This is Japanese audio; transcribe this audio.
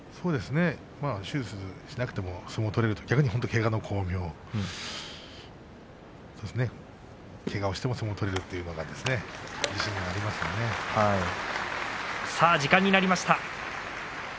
手術をしなくても相撲を取れるという逆にけがをしても相撲を取れるという自信になりますね。。